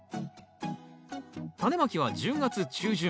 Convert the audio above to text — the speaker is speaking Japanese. タネまきは１０月中旬。